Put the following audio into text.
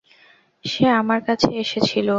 সে আমার কাছে এসেছিল।